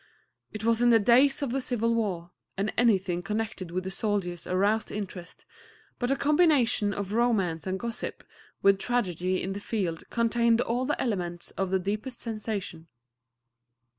It was in the days of the Civil War, and anything connected with the soldiers aroused interest, but a combination of romance and gossip with a tragedy in the field contained all the elements of the deepest sensation.